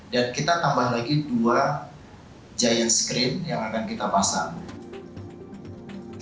dan kita tambah lagi dua giant screen yang akan kita pasang